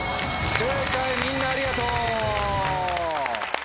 正解みんなありがとう。